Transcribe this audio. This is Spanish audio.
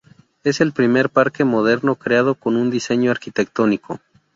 Es el primer parque moderno, creado con un diseño arquitectónico.